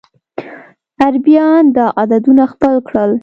عربيان دا عددونه خپل کړل.